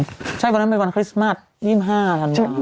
ผมใช่วันนั้นเป็นวันคริสต์มาทยี่สิบห้านาทุ่นวัน